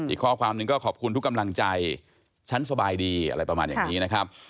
อีกข้อความนึงก็ขอบคุณทุกกำลังใจฉันสบายดีอะไรประมาณอย่างนี้นะครับ